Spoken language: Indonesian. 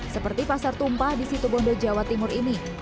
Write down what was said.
seperti pasar tumpah di situ bondo jawa timur ini